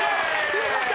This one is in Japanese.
よかった！